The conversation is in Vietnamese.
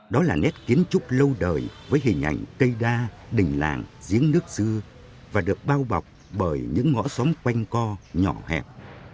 đó là nét kiến trúc lâu đời với hình ảnh cây đa đình làng giếng nước xưa và được bao bọc bởi những ngõ xóm quanh co nhỏ hẹp